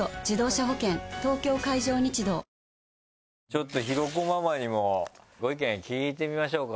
東京海上日動ちょっと広子ママにもご意見聞いてみましょうか。